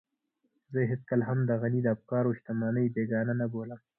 زه هېڅکله هم د غني د افکارو شتمنۍ بېګانه نه بولم.